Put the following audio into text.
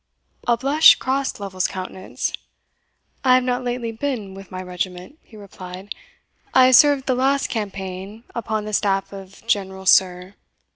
A blush crossed Lovel's countenance. "I have not lately been with my regiment," he replied; "I served the last campaign upon the staff of General Sir